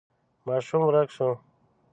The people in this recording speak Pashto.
ماشوم ورک شو.